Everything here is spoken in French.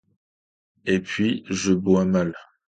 Et puis, je bois mal.